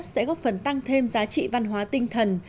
sẽ góp phần tăng thêm giá trị văn hóa tinh thần